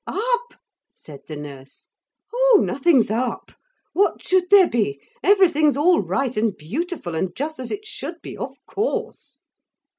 'Up?' said the nurse. 'Oh, nothing's up. What should there be? Everything's all right and beautiful, and just as it should be, of course.'